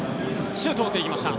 シュートを打っていきました。